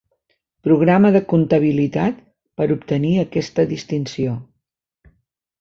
Programa de comptabilitat per obtenir aquesta distinció.